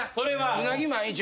うなぎ毎日は。